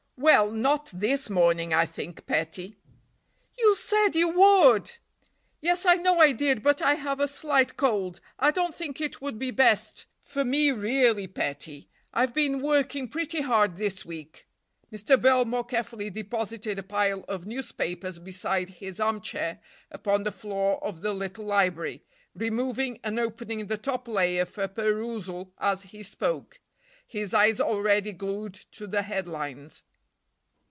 "Well—not this morning, I think, petty." "You said you would." "Yes, I know I did, but I have a slight cold. I don't think it would be best for me, really, petty. I've been working pretty hard this week." Mr. Belmore carefully deposited a pile of newspapers beside his armchair upon the floor of the little library, removing and opening the top layer for perusal as he spoke, his eyes already glued to the headlines.